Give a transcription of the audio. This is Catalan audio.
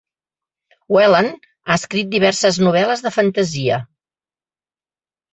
Whelan ha escrit diverses novel·les de fantasia.